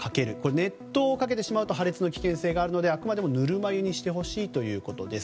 熱湯をかけてしまうと破裂の危険性があるのであくまでも、ぬるま湯にしてほしいということです。